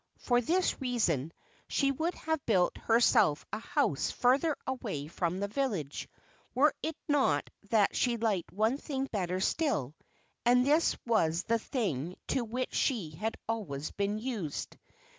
For this reason she would have built herself a house further away from the village, were it not that she liked one thing better still, and this was the thing to which she had always been used.